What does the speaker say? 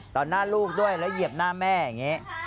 หน้าลูกด้วยแล้วเหยียบหน้าแม่อย่างนี้